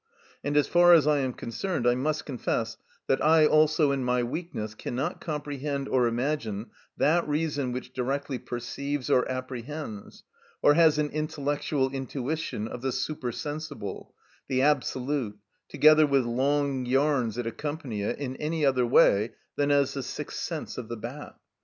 And as far as I am concerned, I must confess that I also, in my weakness, cannot comprehend or imagine that reason which directly perceives or apprehends, or has an intellectual intuition of the super sensible, the absolute, together with long yarns that accompany it, in any other way than as the sixth sense of the bat.